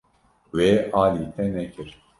Wê alî te nekir.